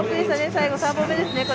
最後、３本目ですね！